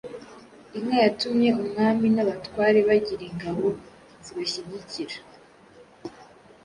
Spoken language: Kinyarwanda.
Inka yatumye umwami n'abatware bagira ingabo zibashyigikira.